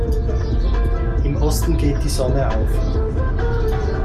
Im Osten geht die Sonne auf.